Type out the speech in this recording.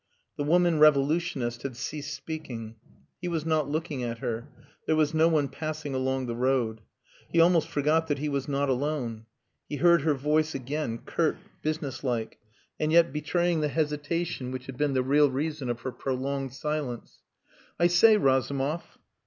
The woman revolutionist had ceased speaking; he was not looking at her; there was no one passing along the road. He almost forgot that he was not alone. He heard her voice again, curt, businesslike, and yet betraying the hesitation which had been the real reason of her prolonged silence. "I say, Razumov!"